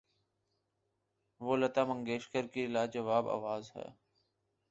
وہ لتا منگیشکر کی لا جواب آواز ہے۔